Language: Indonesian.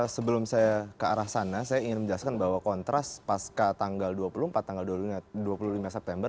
sebelum saya ke arah sana saya ingin menjelaskan bahwa kontras pasca tanggal dua puluh empat tanggal dua puluh lima september